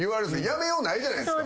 やめようないじゃないですか。